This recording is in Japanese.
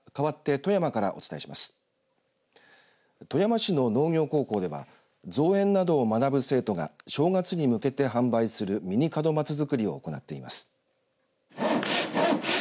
富山市の農業高校では造園など学ぶ生徒が正月に向けて販売するミニ門松作りを行っています。